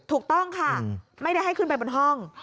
ถูกต้องค่ะไม่ได้ให้ขึ้นไปบนห้อง